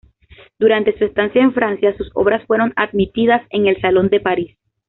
Durante su estancia en Francia, sus obras fueron admitidas en el "Salón de París".